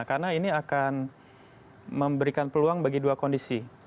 karena ini akan memberikan peluang bagi dua kondisi